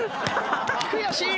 悔しい！